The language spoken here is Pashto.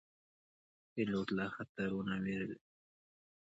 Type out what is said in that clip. پیلوټ له خطرو نه ویره نه لري.